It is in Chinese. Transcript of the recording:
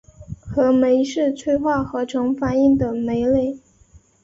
合酶是催化合成反应的酶类。